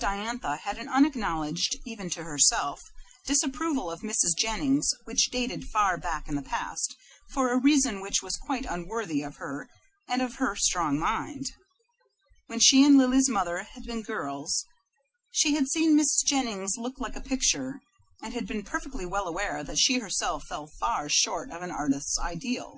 Diantha had an unacknowledged even to herself disapproval of Mrs. Jennings which dated far back in the past, for a reason which was quite unworthy of her and of her strong mind. When she and Lily's mother had been girls, she had seen Mrs. Jennings look like a picture, and had been perfectly well aware that she herself fell far short of an artist's ideal.